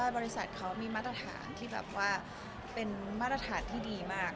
บริษัทเค้ามีมาตรฐานที่ดีมาก